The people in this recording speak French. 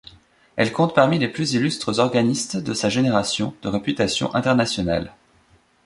Elle compte parmi les plus illustres organistes de sa génération, de réputation internationale.